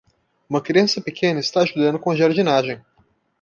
Uma criança pequena está ajudando com a jardinagem.